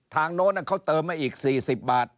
ทางโน้นนั่นเขาเติมให้อีก๔๐บาท